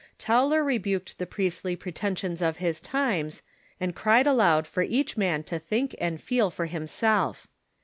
Tauler rebuked the priestly pretensions of his times, and cried aloud for each man to think and feel for himself.